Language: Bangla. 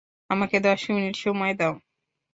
আমাকে দশ মিনিট সময় দাও।